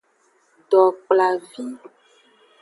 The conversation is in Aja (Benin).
Dokplavi.